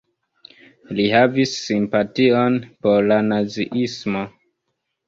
Li havis simpation por la naziismo.